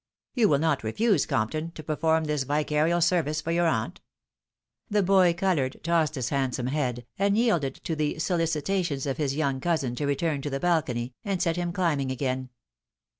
You will not refuse, Compton, to perform this vicarial service for your aunt ?" The boy coloured, tossed his handsome head, and yielded to the solicitations of his young cousin to return to the balcony, and set him cHmbing again.